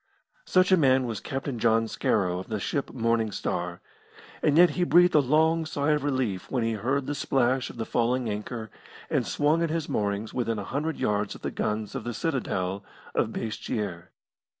Such a man was Captain John Scarrow, of the ship Morning Star, and yet he breathed a long sigh of relief when he heard the splash of the falling anchor and swung at his moorings within a hundred yards of the guns of the citadel of Basseterre.